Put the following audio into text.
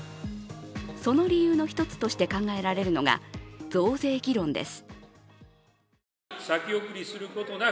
その理由の一つとして考えられるのが増税議論です。